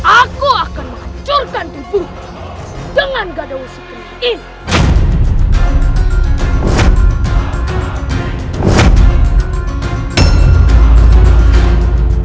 aku akan menghancurkan tempurmu dengan gadawusi keningin